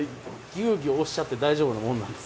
ぎゅうぎゅう押しちゃって大丈夫なもんなんですか？